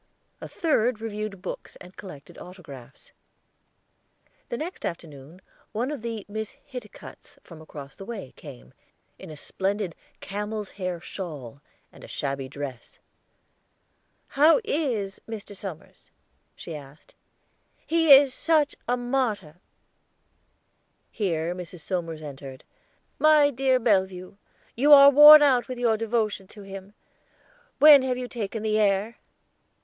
A third reviewed books and collected autographs. The next afternoon one of the Miss Hiticutts from across the way came, in a splendid camel's hair shawl and a shabby dress. "How is Mr. Somers?" she asked. "He is such a martyr." Here Mrs. Somers entered. "My dear Bellevue, you are worn out with your devotion to him; when have you taken the air?"